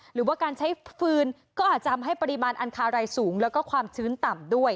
หรือว่าการใช้ฟืนก็อาจจะทำให้ปริมาณอันคาไรสูงแล้วก็ความชื้นต่ำด้วย